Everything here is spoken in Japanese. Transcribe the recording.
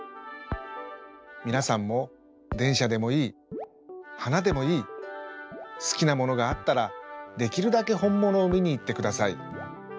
みなさんもでんしゃでもいいはなでもいいすきなものがあったらできるだけほんものを見に行ってください。